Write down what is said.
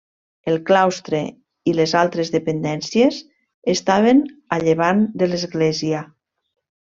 El claustre i les altres dependències estaven a llevant de l'església.